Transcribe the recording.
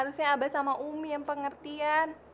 harusnya abah sama umi yang pengertian